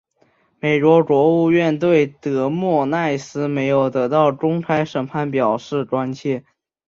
美国国务院对德莫赖斯没有得到公平审判表示关切。